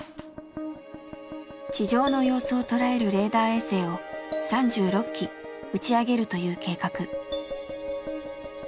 地上の様子を捉えるレーダー衛星を３６機打ち上げるという計画。